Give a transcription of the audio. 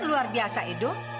luar biasa edo